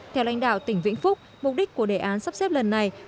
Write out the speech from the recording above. theo lãnh đạo tỉnh vĩnh phúc mục đích của đề án sắp xếp lần này